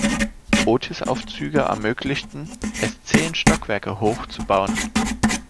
Otis-Aufzüge ermöglichten, es zehn Stockwerke hoch zu bauen.